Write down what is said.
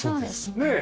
ねえ。